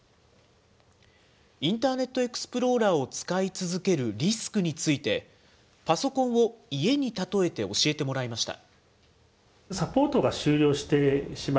インターネットエクスプローラーを使い続けるリスクについて、パソコンを家に例えて教えてもらいました。